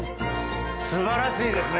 素晴らしいですね